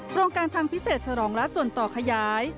โครงการทางพิเศษฉลองละส่วนต่อขยาย